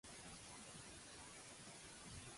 Què hi neixen allà?